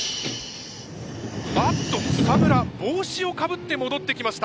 あっと草村帽子をかぶって戻ってきました。